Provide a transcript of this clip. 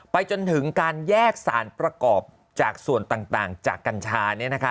จนถึงการแยกสารประกอบจากส่วนต่างจากกัญชา